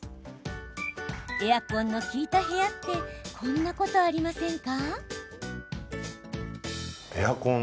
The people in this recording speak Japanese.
エアコンの効いた部屋ってこんなことありませんか？